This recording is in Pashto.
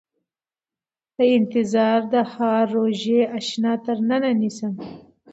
د انتظار د هاړ روژې اشنا تر ننه نيسم